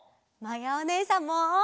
まやおねえさんも！